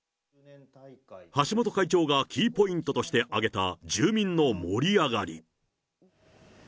橋本会長がキーポイントとして挙げた住民の盛り上がり。